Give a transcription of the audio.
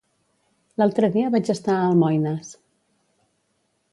L'altre dia vaig estar a Almoines.